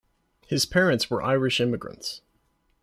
His parents were Irish immigrants.